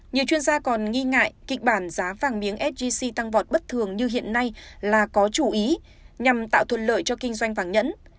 nhiều chuyên gia còn nghi ngại kịch bản giá vàng miếng sgc tăng vọt bất thường như hiện nay là có chú ý nhằm tạo thuận lợi cho kinh doanh vàng nhẫn